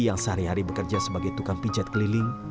yang bekerja sebagai tukang pijat keliling